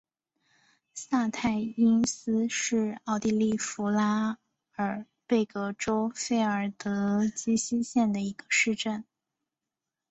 萨泰因斯是奥地利福拉尔贝格州费尔德基希县的一个市镇。